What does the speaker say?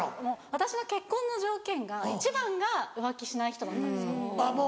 私の結婚の条件が一番が浮気しない人だったんですよ。